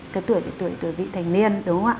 cái tuổi là tuổi vị thành niên